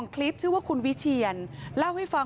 กลับมารับทราบ